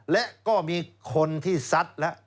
และก็มีคนที่ซัดแล้ว